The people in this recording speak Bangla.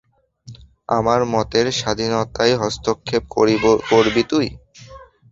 আমার মতের স্বাধীনতায় হস্তক্ষেপ করবি তুই?